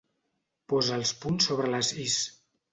Posa els punts sobre les is.